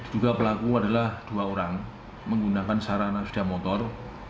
juga pelaku adalah dua orang menggunakan sarana sepeda motor